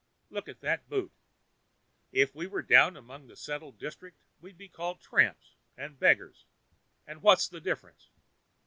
Look at that boot! If we were down among the settled districts we'd be called tramps and beggars; and what's the difference?